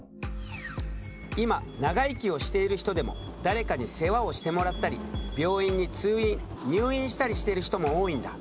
今長生きをしている人でも誰かに世話をしてもらったり病院に通院入院したりしている人も多いんだ。